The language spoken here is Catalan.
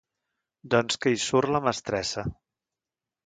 Doncs que hi surt la mestressa.